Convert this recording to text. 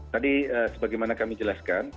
tadi sebagaimana kami jelaskan